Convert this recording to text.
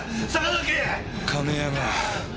亀山